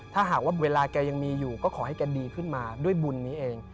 ถ้าหากว่าเวลาแกยังมีอยู่ก็ขอให้แกดีขึ้นมาด้วยบุญนี้เอง